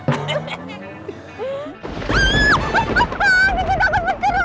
kiki takut bencin uya